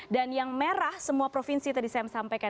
dan yang merah semua provinsi tadi saya sampaikan